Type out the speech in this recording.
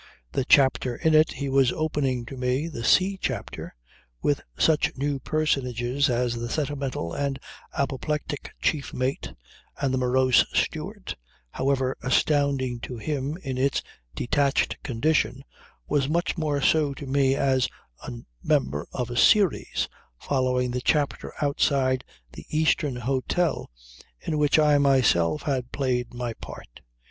The chapter in it he was opening to me, the sea chapter, with such new personages as the sentimental and apoplectic chief mate and the morose steward, however astounding to him in its detached condition was much more so to me as a member of a series, following the chapter outside the Eastern Hotel in which I myself had played my part.